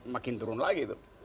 makin turun lagi itu